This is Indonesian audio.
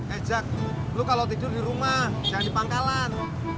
eh jack lo kalau tidur dirumah jangan dipangkalan